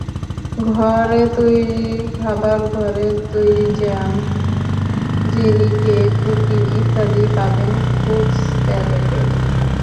ঘরে তৈরি খাবারঘরে তৈরি জ্যাম, জেলি, কেক, কুকি ইত্যাদি পাবেন কুকস প্যালেটে।